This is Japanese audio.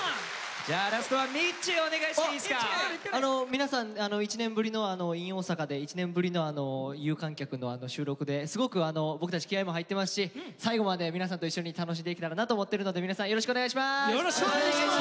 皆さん１年ぶりの「ｉｎ大阪」で１年ぶりの有観客の収録ですごく僕たち気合いも入ってますし最後まで皆さんと一緒に楽しんでいけたらなと思っているので皆さんよろしくお願いします。